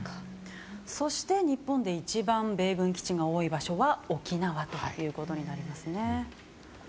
そして、日本で一番米軍基地が多い場所は沖縄になります。